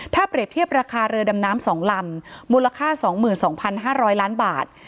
ถ้าเปรียบเทียบราคาเรือดำน้ำ๒ลำมูลค่า๒๒๕๐๐ล้านบาท